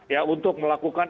ya untuk melakukan